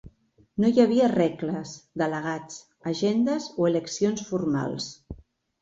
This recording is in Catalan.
No hi havia regles, delegats, agendes o eleccions formals.